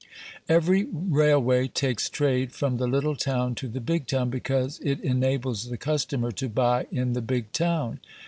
Every railway takes trade from the little town to the big town because it enables the customer to buy in the big town.